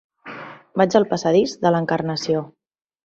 Vaig al passadís de l'Encarnació.